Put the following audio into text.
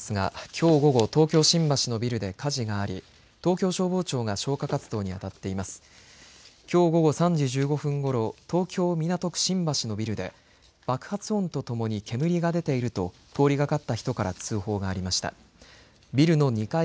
東京消防庁によりますときょう午後３時１５分ごろ東京、新橋のビルで爆発音とともに煙が出ていると通りがかった人から通報がありました。